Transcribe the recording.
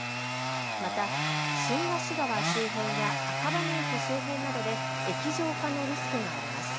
また新河岸川周辺や赤羽駅周辺などで液状化のリスクがあります。